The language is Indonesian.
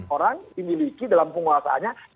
orang dimiliki dalam penguasaannya